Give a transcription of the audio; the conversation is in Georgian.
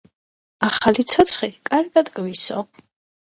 ახალი ცოცხი კარგად გვისო.